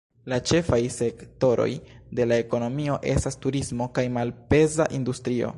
La ĉefaj sektoroj de la ekonomio estas turismo kaj malpeza industrio.